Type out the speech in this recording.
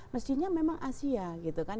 mestinya memang asia gitu kan